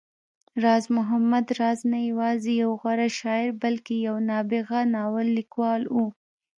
راز محمد راز نه يوازې يو غوره شاعر، بلکې يو نابغه ناول ليکوال و